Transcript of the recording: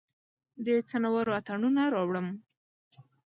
د څنورو اتڼوڼه راوړم